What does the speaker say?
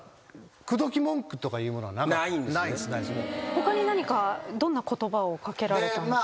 他に何かどんな言葉を掛けられたんですか？